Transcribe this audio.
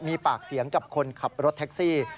มีปากเสียงกับคนขับรถแท็กซี่